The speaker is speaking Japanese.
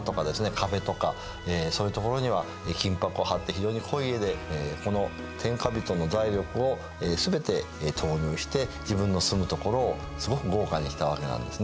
壁とかそういう所には金箔を貼って非常に濃い絵でこの天下人の財力を全て投入して自分の住む所をすごく豪華にしたわけなんですね。